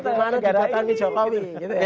bagaimana juga ini jokowi